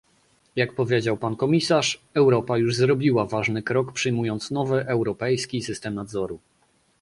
Jak powiedział pan komisarz, Europa już zrobiła ważny krok przyjmując nowy europejski system nadzoru